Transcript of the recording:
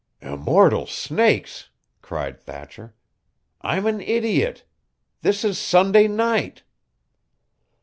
"Immortal snakes!" cried Thatcher. "I'm an idiot. This is Sunday night."